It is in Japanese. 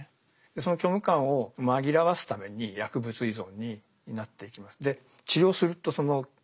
その虚無感を紛らわすために薬物依存になっていきます。